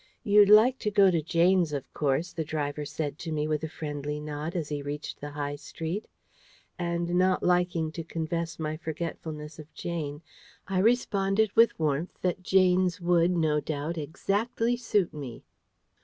"You'd like to go to Jane's, of course," the driver said to me with a friendly nod as he reached the High Street: and not liking to confess my forgetfulness of Jane, I responded with warmth that Jane's would, no doubt, exactly suit me.